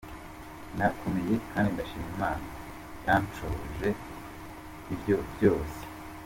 Narakomeye kandi ndashima Imana yanshoboje ibyo byose.